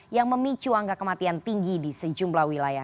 yang memicu angka kematian tinggi di sejumlah wilayah